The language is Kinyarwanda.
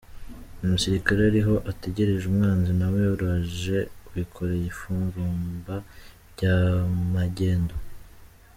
Umusirikare ari aho ategereje umwanzi, nawe uraje wikoreye ibifurumba bya magendu.